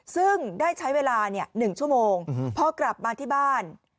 ซึ่งได้ใช้เวลา๑ชั่วโมงพอกลับมาที่บ้าน